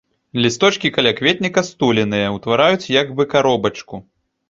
Лісточкі калякветніка стуленыя, утвараюць як бы каробачку.